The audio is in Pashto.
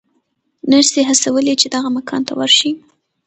نرسې هڅولې چې دغه مکان ته ورشي.